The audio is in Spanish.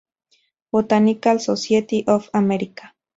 Botanical Society of America.